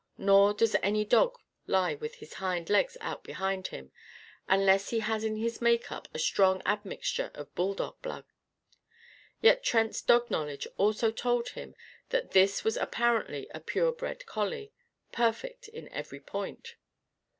Nor does any dog lie with his hind legs out behind him, unless he has in his make up a strong admixture of bulldog blood. Yet, Trent's dog knowledge also told him that this was apparently a pure bred collie; perfect in every point.